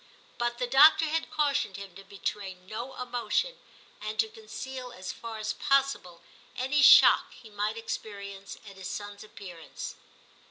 But the doctor had cautioned him to betray no emotion, and to conceal as far as possible any shock he might experience at his son's appearance.